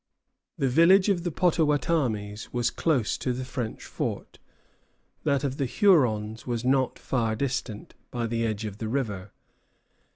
The village of the Pottawattamies was close to the French fort; that of the Hurons was not far distant, by the edge of the river.